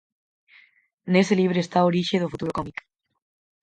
Nese libro está orixe do futuro cómic.